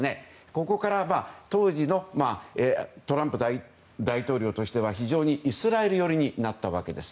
ここから当時のトランプ大統領としては非常にイスラエル寄りになったわけです。